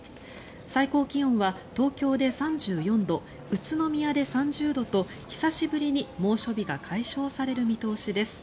最高気温は東京で３４度宇都宮で３０度と久しぶりに猛暑日が解消される見通しです。